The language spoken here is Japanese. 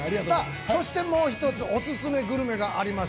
そしてもう一つ、オススメグルメがあります。